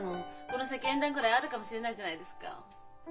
この先縁談ぐらいあるかもしれないじゃないですか。